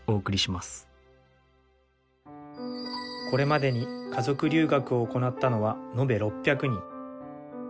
これまでに家族留学を行ったのはのべ６００人。